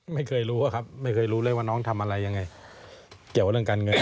ไม่เคยรู้อะครับไม่เคยรู้เลยว่าน้องทำอะไรยังไงเกี่ยวกับเรื่องการเงิน